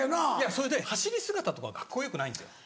それで走り姿とかがカッコよくないんですよ。